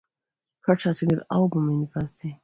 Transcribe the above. Carter attended Auburn University.